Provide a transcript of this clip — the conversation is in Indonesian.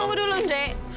tunggu dulu dek